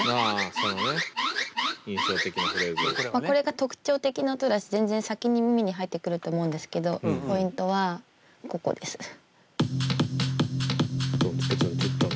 これが特徴的な音だし全然先に耳に入ってくると思うんですけどポイントはここです。